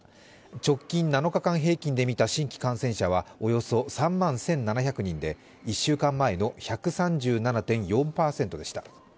直近７日間平均で見た新規感染者はおよそ３万１７００人で１週間前の１３７．４％でした。